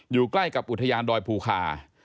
อยู่ใกล้กับอุทยานดอยภูคา